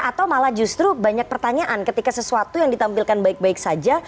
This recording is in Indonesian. atau malah justru banyak pertanyaan ketika sesuatu yang ditampilkan baik baik saja